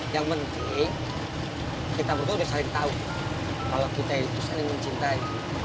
yang penting kita berdua sudah saling tahu kalau kita itu saling mencintai